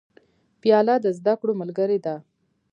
پیاله د زده کړو ملګرې ده.